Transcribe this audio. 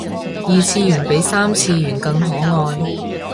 二次元比三次元更可愛